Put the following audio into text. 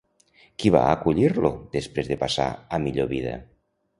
Qui va acollir-lo després de passar a millor vida?